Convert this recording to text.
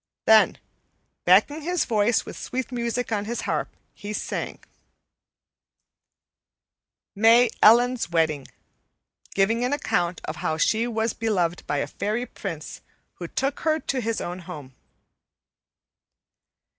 Then, backing his voice with sweet music on his harp, he sang: MAY ELLEN'S WEDDING (Giving an account of how she was beloved by a fairy prince, who took her to his own home.)